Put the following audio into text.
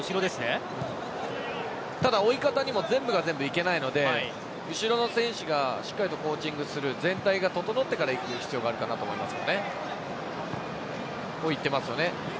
ただ追い方にも全部が全部行けないので後ろの選手がしっかりとコーチングする全体が整ってから行く必要があるかなと思います。